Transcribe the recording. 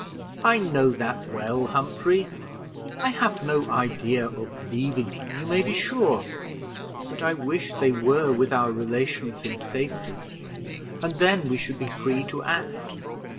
"I know that well, Humphrey I have no idea of leaving them, you may be sure; but I wish they were with our relations in safety, and then we should be free to act."